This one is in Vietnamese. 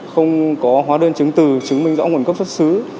không có hóa đơn chứng từ chứng minh rõ nguồn gốc xuất xứ